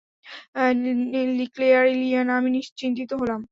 লিক্লেয়ার - Ileana, আমি চিন্তিত ছিলাম।